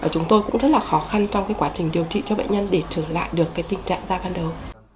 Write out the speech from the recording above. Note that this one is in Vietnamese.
chúng tôi cũng rất là khó khăn trong quá trình điều trị cho bệnh nhân để trở lại được tình trạng da ban đầu